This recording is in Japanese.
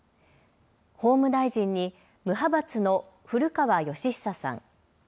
法務大臣に無派閥の古川禎久さん。